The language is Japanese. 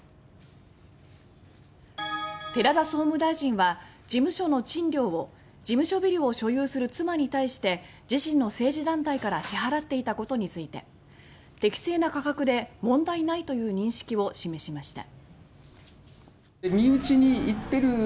寺田総務大臣は事務所の賃料を事務所ビルを所有する妻に対して自身の政治団体から支払っていたことについて「適正な価格で問題ない」という認識を示しました。